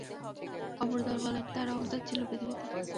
অপর দল বলেন, তার অবস্থান ছিল পৃথিবীতে।